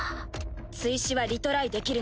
追試はリトライできるの。